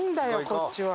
こっちは。